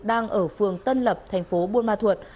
đang ở phường tân lập tp buôn ma thuột